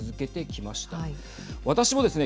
私もですね